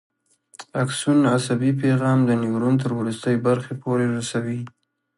اکسون عصبي پیغام د نیورون تر وروستۍ برخې پورې رسوي.